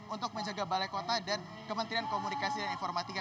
untuk menjaga balai kota dan kementerian komunikasi dan informatika